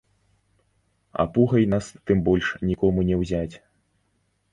А пугай нас тым больш нікому не ўзяць!